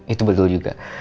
itu betul juga